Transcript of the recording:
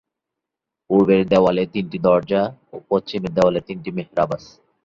পূর্বের দেওয়ালে তিনটি দরজা ও পশ্চিমের দেওয়ালে তিনটি মেহরাব আছে।